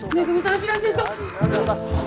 知らせんと！